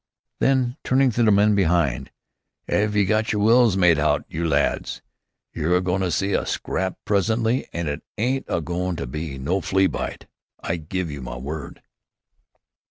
Then, turning to the men behind, "'Ave you got yer wills made out, you lads? You're a go'n' to see a scrap presently, an' it ain't a go'n' to be no flea bite, I give you my word!"